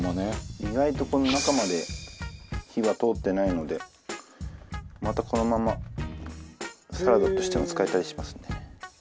意外とこの中まで火は通ってないのでまたこのままサラダとしても使えたりしますね。